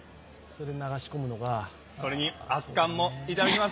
それに熱かんもいただきます。